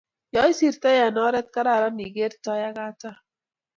nyoisirtoi eng oret kararan igeer tai ak katam